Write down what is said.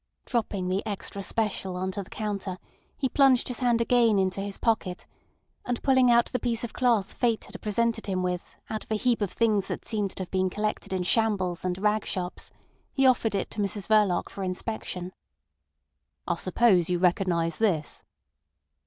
Dropping the extra special on to the counter, he plunged his hand again into his pocket, and pulling out the piece of cloth fate had presented him with out of a heap of things that seemed to have been collected in shambles and rag shops, he offered it to Mrs Verloc for inspection. "I suppose you recognise this?"